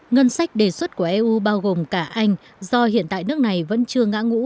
ngân sách đề xuất của eu bao gồm cả anh do hiện tại nước này vẫn chưa ngã ngũ